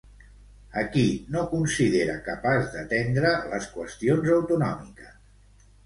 A qui no considera capaç d'atendre les qüestions autonòmiques?